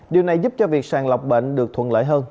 điều này giúp cho việc sàng lọc bệnh được thuận lợi hơn